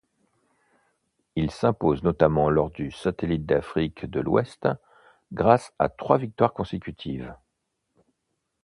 Il s'impose notamment lors du Satellite d'Afrique de l'Ouest grâce à trois victoires consécutives.